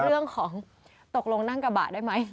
เรื่องของตกลงนั่งกระบะได้ไหม